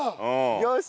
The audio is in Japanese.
よし！